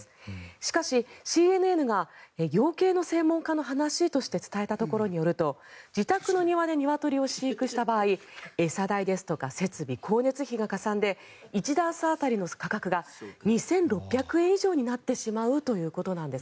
しかし、ＣＮＮが養鶏の専門家の話として伝えたところによると自宅の庭でニワトリを飼育した場合餌代ですとか設備、光熱費がかさんで１ダース当たりの価格が２６００円以上になってしまうということなんです。